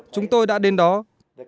chúng tôi đã đưa nó đến một nơi khác